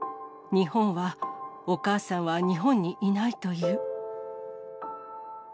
日本は、お母さんは日本にいないという。